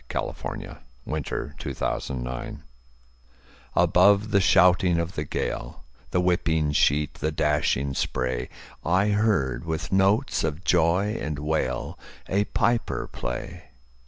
Clinton Scollard Bag Pipes at Sea ABOVE the shouting of the gale, The whipping sheet, the dashing spray,I heard, with notes of joy and wail,A piper play.